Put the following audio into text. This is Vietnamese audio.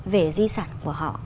về di sản của họ